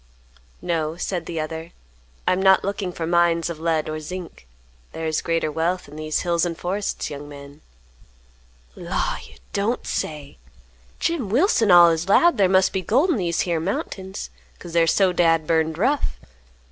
"No," said the other, "I am not looking for mines of lead or zinc; there is greater wealth in these hills and forests, young man." "Law, you don't say! Jim Wilson allus 'lowed thar must be gold in these here mountains, 'cause they're so dad burned rough.